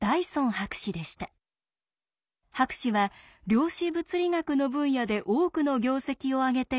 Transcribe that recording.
博士は量子物理学の分野で多くの業績をあげていた大御所でした。